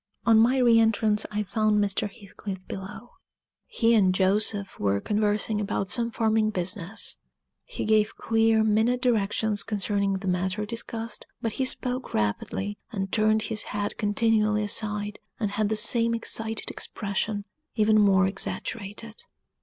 On my re entrance I found Mr. Heathcliff below. He and Joseph were conversing about some farming business; he gave clear, minute directions concerning the matter discussed, but he spoke rapidly, and turned his head continually aside, and had the same excited expression, even more exaggerated.